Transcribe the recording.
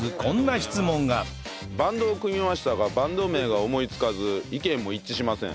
「バンドを組みましたがバンド名が思いつかず意見も一致しません」